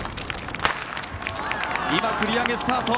今、繰り上げスタート。